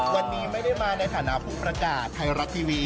วันนี้ไม่ได้มาในฐานะผู้ประกาศไทยรัฐทีวี